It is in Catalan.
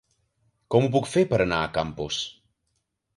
Com ho puc fer per anar a Campos?